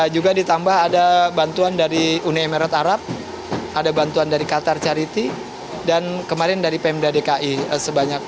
juga ditambah ada bantuan dari uni emirat arab ada bantuan dari qatar charity dan kemarin dari pemda dki sebanyak